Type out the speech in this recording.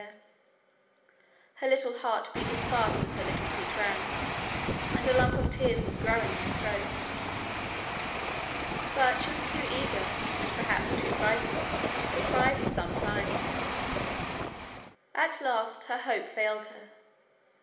Her little heart beat as fast as her little feet ran, and a lump of tears was growing in her throat. But she was too eager and perhaps too frightened to cry for some time. At last her hope failed her.